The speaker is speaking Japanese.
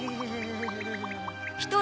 １人？